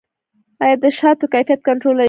آیا د شاتو کیفیت کنټرولیږي؟